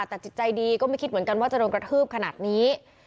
แต่จิตใจดีก็ไม่คิดเหมือนกันว่าจะโดนกระทืบขนาดนี้